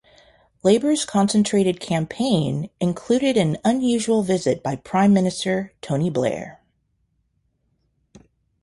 Labour's concentrated campaign included an unusual visit by Prime Minister Tony Blair.